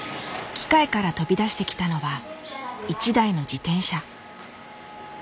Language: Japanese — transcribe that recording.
機械から飛び出してきたのは一台の自転車。